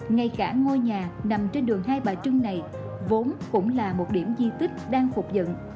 ngay cả ngôi nhà nằm trên đường hai bà trưng này vốn cũng là một điểm di tích đang phục dựng